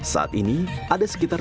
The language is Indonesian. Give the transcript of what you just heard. saat ini ada sekitar